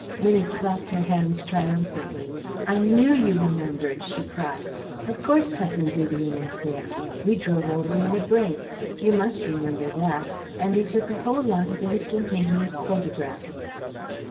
Minnie clapped her hands triumphantly. "I KNEW you remembered!" she cried. "Of course, Cousin Vivian was there. We drove over in a break. You MUST remember that. And he took a whole lot of instantaneous photographs."